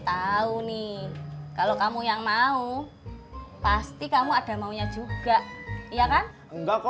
tahu nih kalau kamu yang mau pasti kamu ada maunya juga iya kan enggak kok